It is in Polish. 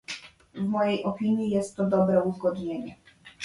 W mojej opinii jest to dobre uzgodnienie